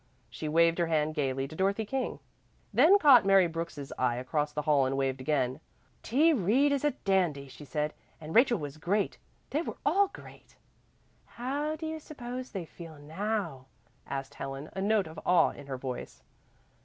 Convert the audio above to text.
She waved her hand gaily to Dorothy King, then caught Mary Brooks's eye across the hall and waved again. "T. Reed is a dandy," she said. "And Rachel was great. They were all great." "How do you suppose they feel now?" asked Helen, a note of awe in her voice.